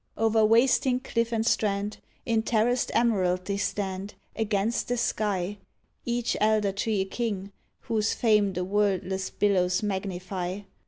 O'er wasting cliff and strand In terraced emerald they stand Against the sky, Each elder tree a king Whose fame the wordless billows magnify.